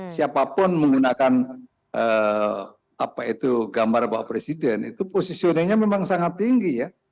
siapapun menggunakan apa itu gambar bapak presiden itu positioningnya memang sangat tinggi ya